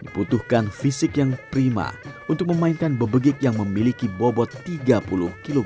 diputuhkan fisik yang prima untuk memainkan bebegik yang memiliki bobot tiga puluh kg